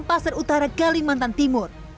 pasar utara kalimantan timur